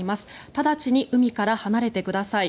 直ちに海から離れてください。